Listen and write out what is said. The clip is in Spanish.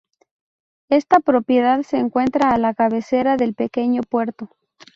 Esta propiedad se encuentra a la cabecera del pequeño puerto.